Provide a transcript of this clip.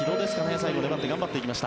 最後、粘って頑張っていきました。